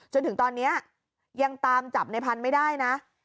จนถึงตอนนี้ยังตามจับในพันธุ์ไม่ได้นะ